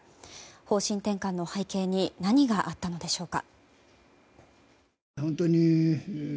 方針転換の背景に何があったのでしょうか。